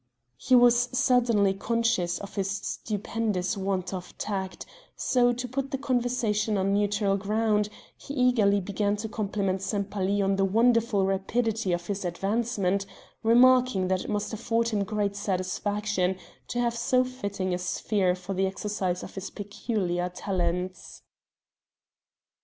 He was suddenly conscious of his stupendous want of tact; so, to put the conversation on neutral ground, he eagerly began to compliment Sempaly on the wonderful rapidity of his advancement, remarking that it must afford him great satisfaction to have so fitting a sphere for the exercise of his peculiar talents.